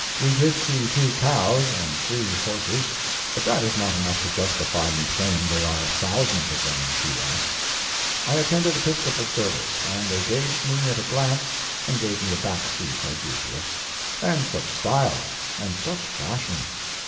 We did see two cows and three horses, but that is not enough to justify me in saying there are thousands of them in Key West. I attended Episcopal service, and they gauged me at a glance and gave me a back seat, as usual. And such style! and such fashion!